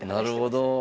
なるほど。